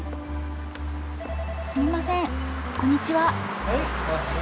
すみませんこんにちは。